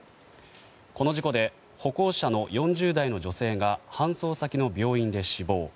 この事故で歩行者の４０代の女性が搬送先の病院で死亡。